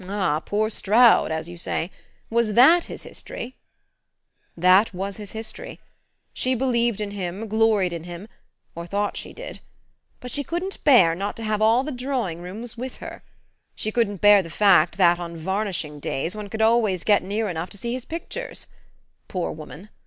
"Ah, poor Stroud as you say. Was THAT his history?" "That was his history. She believed in him, gloried in him or thought she did. But she couldn't bear not to have all the drawing rooms with her. She couldn't bear the fact that, on varnishing days, one could always get near enough to see his pictures. Poor woman!